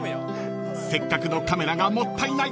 ［せっかくのカメラがもったいない］